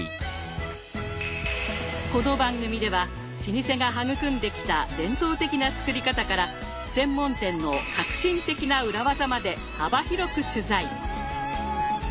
この番組では老舗が育んできた伝統的な作り方から専門店の革新的な裏技まで幅広く取材。